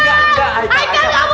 ikan gak boleh jokot